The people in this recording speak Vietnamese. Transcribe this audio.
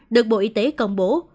được bộ y tế công bố